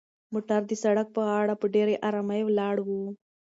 موټر د سړک په غاړه په ډېرې ارامۍ ولاړ و.